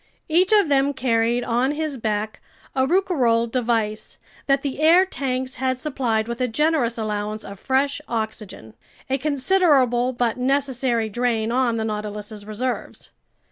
Each of them carried on his back a Rouquayrol device that the air tanks had supplied with a generous allowance of fresh oxygen. A considerable but necessary drain on the Nautilus's reserves.